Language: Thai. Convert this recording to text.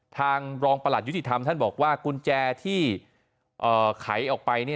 ทางรองประหลัดยุติธรรมท่านบอกว่ากุญแจที่ไขออกไป